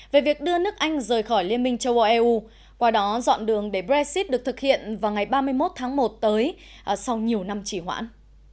về việc đưa nước anh rời khỏi liên minh châu âu eu qua đó dọn đường để brexit được thực hiện vào ngày ba mươi một tháng một tới sau nhiều năm chỉ hoãn